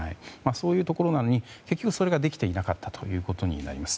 そういうところなのに結局それができていなかったことになります。